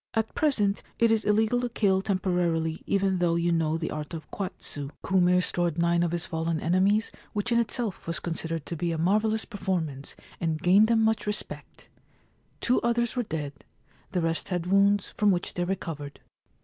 At present it is illegal to kill temporarily even though you know the art of kwatsu. Kume restored nine of his 174 The King of Torijima fallen enemies, which in itself was considered to be a marvellous performance, and gained him much respect. Two others were dead. The rest had wounds from which they recovered.